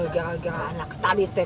gara gara anak tadi teh